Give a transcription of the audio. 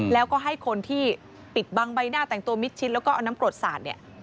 แล้วก็ให้คนที่ปิดบังใบหน้าแต่งตัวมิดชิดแล้วก็เอาน้ำกรดสาดเนี่ย